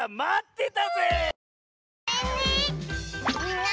みんな！